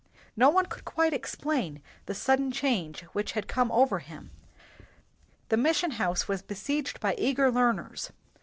No one could quite explain the sudden change which had come over him. The mission house was be seiged by eager learners.